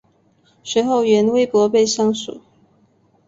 随后原微博被删除。